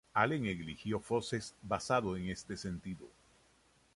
Allen eligió Foxes basado en este sentido.